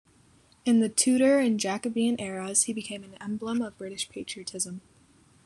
In the Tudor and Jacobean eras he became an emblem of British patriotism.